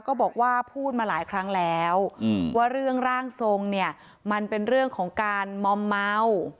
ก็บอกว่าพูดมาหลายครั้งแล้วว่าเรื่องร่างทรงเนี่ยมันเป็นเรื่องของการมอมเมา